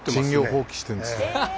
授業放棄してんですよ。